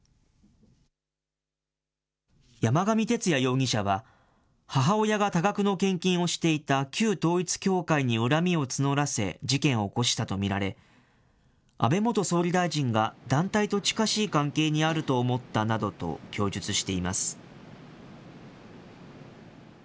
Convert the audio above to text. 山上徹也容疑者は、母親が多額の献金をしていた旧統一教会に恨みを募らせ事件を起こしたと見られ、安倍元総理大臣が団体と近しい関係にあると思ったなどと供述しています。